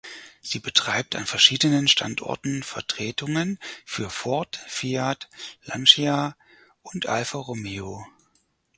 Sie betreibt an verschiedenen Standorten Vertretungen für Ford, Fiat, Lancia und Alfa Romeo.